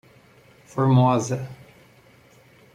Formosa